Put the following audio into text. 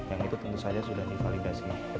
yang itu tentu saja sudah divalidasi